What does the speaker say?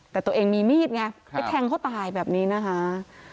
แต่ตัวเองมีมีดไงไปแทงเขาตายแบบนี้นะคะ